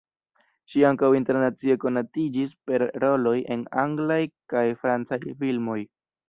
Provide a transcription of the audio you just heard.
Ŝi ankaŭ internacie konatiĝis per roloj en anglaj kaj francaj filmoj.